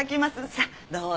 さあどうぞ。